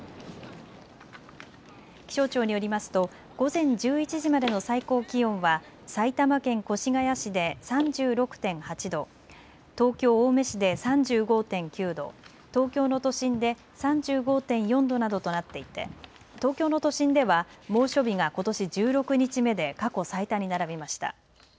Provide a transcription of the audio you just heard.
気象庁によりますと午前１１時までの最高気温は埼玉県越谷市で３６．８度、東京青梅市で３５．９度、東京の都心で３５．４度などとなっていて東京の都心では猛暑日がことし１６日目で過去最多に並びました。